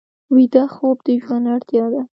ویده خوب د ژوند اړتیا ده